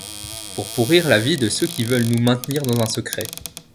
pour pourrir la vie de ceux qui veulent nous maintenir dans un secret.